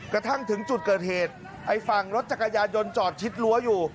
กระทั่งถึงจุดเกิดเหตุไอ้ฝั่งรถจักรยานยนต์จอดชิดรั้วอยู่